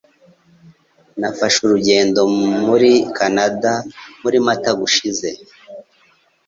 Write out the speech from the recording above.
Nafashe urugendo muri Kanada muri Mata gushize.